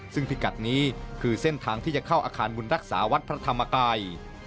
ซึ่งพิกัดนี้คือเส้นทางที่จะเข้าอาคารบุญรักษาวัดพระธรรมกาย